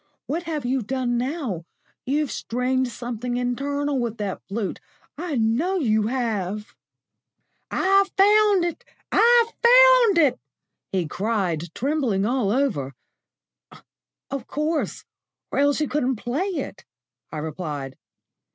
What have you done now? You've strained something internal with that flute I know you have." "I've found it! I've found it!" he cried, trembling all over. "Of course, or else you couldn't play it," I replied.